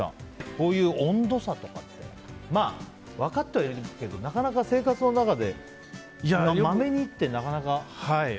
こういう温度差とかって分かってはいるけどなかなか生活の中でまめにって、なかなか。